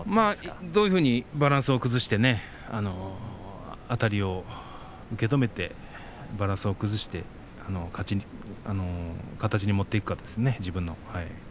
どんなふうにバランスを崩してねあたりを受け止めてバランスを崩して形に持っていくかですね、自分の。